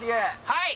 はい！